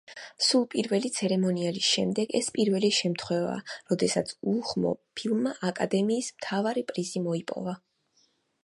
სულ პირველი ცერემონიალის შემდეგ ეს პირველი შემთხვევაა, როდესაც უხმო ფილმმა აკადემიის მთავარი პრიზი მოიპოვა.